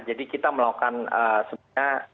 jadi kita melakukan sebenarnya